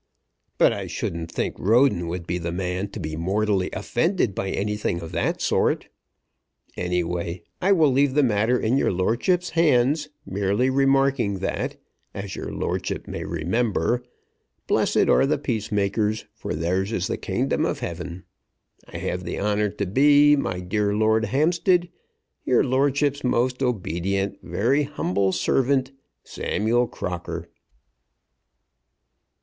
But I shouldn't think Roden would be the man to be mortally offended by anything of that sort. Anyway, I will leave the matter in your lordship's hands, merely remarking that, as your lordship may remember, "Blessed are the peace makers, for theirs is the Kingdom of Heaven." I have the honour to be, My dear Lord Hampstead, Your lordship's most obedient, Very humble servant, SAMUEL CROCKER.